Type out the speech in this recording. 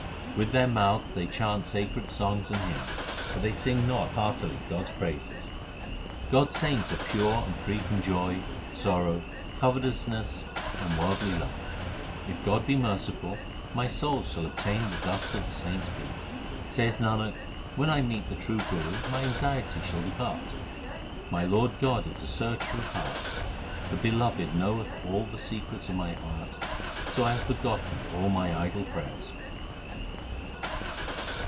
With their mouths they chant sacred songs and hymns, but they sing not heartily God s praises. God s saints are pure and free from joy, sorrow, covetous ness, and worldly love. If God be merciful, my soul shall obtain the dust of the saints feet. Saith Nanak, when I meet the true Guru my anxiety shall depart. My Lord God is the Searcher of hearts. The Beloved knoweth all the secrets of my heart, so I have forgotten all my idle prayers.